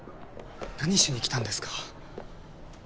何しに来たんですか！